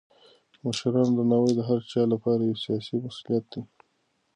د مشرانو درناوی د هر چا لپاره یو اساسي مسولیت دی.